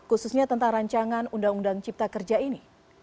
khususnya tentang rancangan undang undang cipta kerja ini